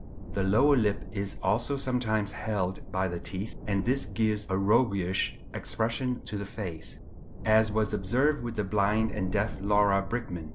The lower lip is also sometimes held by the teeth, and this gives a roguish expression to the face, as was observed with the blind and deaf Laura Bridgman.